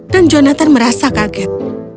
dan jonathan merasa kaget